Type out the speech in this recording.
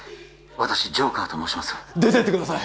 私ジョーカーと申します出てってください！